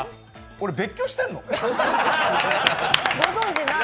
俺、別居してんの？